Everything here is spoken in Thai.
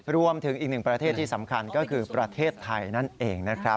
รวมถึงอีกหนึ่งประเทศที่สำคัญก็คือประเทศไทยนั่นเองนะครับ